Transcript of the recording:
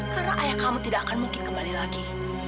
karena ayah kamu tidak akan mungkin kembali lagi